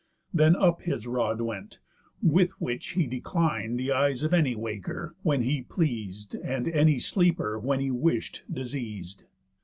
Then up his rod went, with which he declin'd The eyes of any waker, when he pleas'd, And any sleeper, when he wish'd, diseas'd.